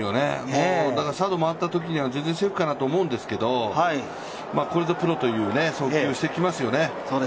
サード回ったときは全然セーフかなと思うんですけど、これぞプロという送球をしてきますよね。